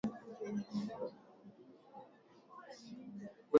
Ustawi wa Ukristo leo unaonesha karibu nusu ya Waafrika wote ni Wakristo